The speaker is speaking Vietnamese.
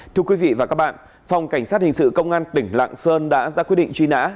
thưa quý vị và các bạn phòng cảnh sát hình sự công an tỉnh lạng sơn đã ra quyết định truy nã